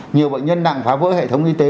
nhiều bệnh nhân nặng phá vỡ hệ thống y tế